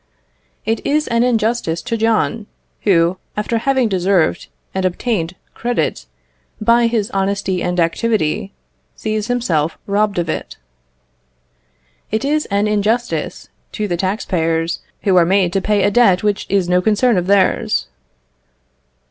It is an injustice to John, who, after having deserved and obtained credit by his honesty and activity, sees himself robbed of it. It is an injustice to the tax payers, who are made to pay a debt which is no concern of theirs.